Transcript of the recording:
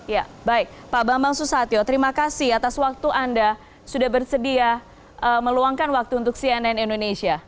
ya baik pak bambang susatyo terima kasih atas waktu anda sudah bersedia meluangkan waktu untuk cnn indonesia